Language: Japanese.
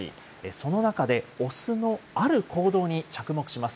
その中で雄のある行動に着目します。